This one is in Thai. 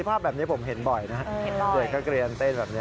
ภาพแบบนี้ผมเห็นบ่อยนะเด็กนักเรียนเต้นแบบนี้